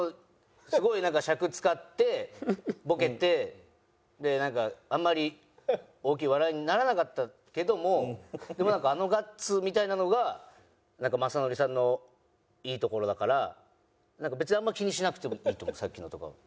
すごいなんか尺使ってボケてでなんかあんまり大きい笑いにならなかったけどもでもなんかあのガッツみたいなのがなんか雅紀さんのいいところだから別にあんま気にしなくてもいいと思うさっきのとか。